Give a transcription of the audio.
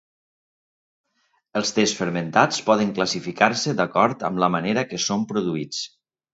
Els tes fermentats poden classificar-se d'acord amb la manera que són produïts.